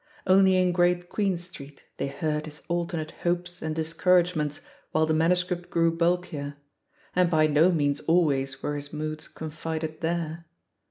Only in Great Queen Street they heard his alternate hopes and discouragements while the manuscript grew bulkier, and by no means always were his moods confided there.